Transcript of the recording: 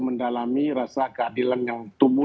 mendalami rasa keadilan yang tumbuh